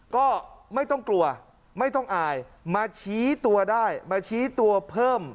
ก็ไม่ต้องกลัวไม่ต้องอายมาชี้ตัวได้มาชี้ตัวเพิ่ม